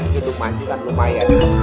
hidung maju kan lumayan